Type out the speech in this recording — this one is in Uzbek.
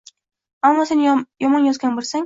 Agar sen yomon yozgan boʻlsang